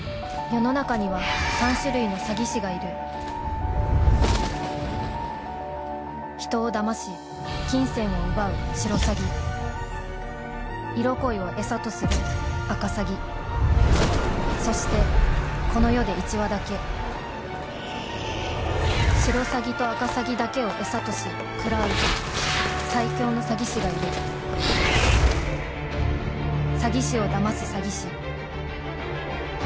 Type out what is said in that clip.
世の中には三種類の詐欺師がいる人を騙し金銭を奪うシロサギ色恋を餌とするアカサギそしてこの世で一羽だけシロサギとアカサギだけを餌とし喰らう最凶の詐欺師がいる詐欺師を騙す詐欺師